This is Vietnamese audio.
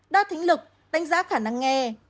đo thính lực đánh giá khả năng nghe